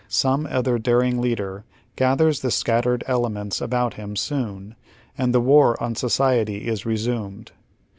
Some other daring leader gathers the scattered elements about him soon, and the war on society is resumed.